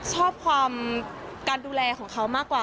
ชอบความการดูแลของเขามากกว่า